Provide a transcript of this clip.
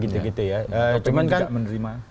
tapi tidak menerima